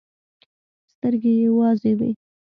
سترګې يې وازې وې.